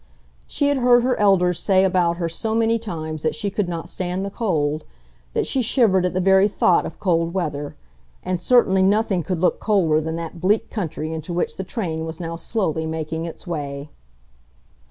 She had heard her elders say about her so many times that she could not stand the cold, that she shivered at the very thought of cold weather, and certainly nothing could look colder than that bleak country into which the train was now slowly making its way.